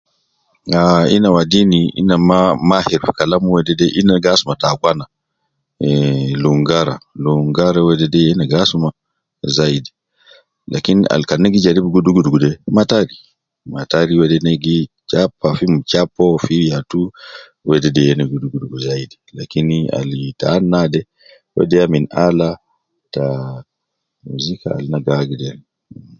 Ahhh, ina wadin ina ma mahir fi kalam wedede, ina gi asuma ta akwana, ehh lungara, lungara wedede yena gi asuma zaidi, lakin al kan na gi jaribu gi dugu dugu de, matari, matari wede ne gi chapa fi mchapo fi yatu, wedede yena gi dugu dugu zaidi, lakini al tan naade, wede ya min ala ta muzika al na gi agder